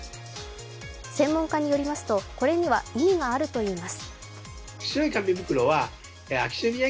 専門家によりますと、これには意味があるといいます。